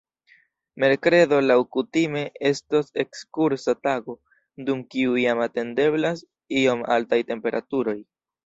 Merkredo laŭkutime estos ekskursa tago, dum kiu jam atendeblas iom altaj temperaturoj.